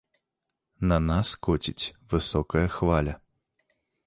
На нас коціць высокая хваля.